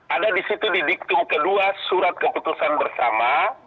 ada di situ di diktum kedua surat keputusan bersama